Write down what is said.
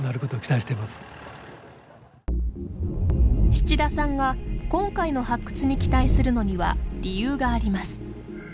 七田さんが、今回の発掘に期待するのには理由があります。